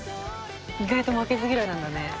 「意外と負けず嫌いなんだね」